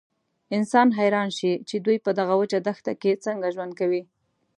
انسان حیران شي چې دوی په دغه وچه دښته کې څنګه ژوند کوي.